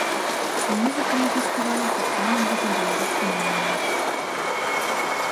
Музыка на фестывалі таксама будзе беларускамоўная.